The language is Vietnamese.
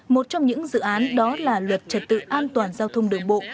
một trong những dự án đó là luật trật tự an toàn giao thông đường bộ